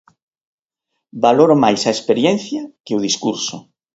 Valoro máis a experiencia que o discurso.